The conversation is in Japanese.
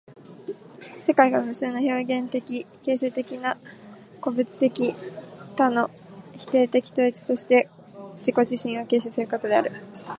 世界が無数の表現的形成的な個物的多の否定的統一として自己自身を形成することである。